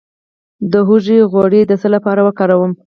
د هوږې غوړي د څه لپاره وکاروم؟